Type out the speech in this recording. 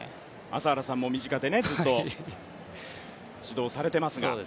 朝原さんも身近でずっと指導されていますが。